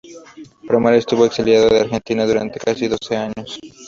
Pomar estuvo exiliado de Argentina durante casi doce años.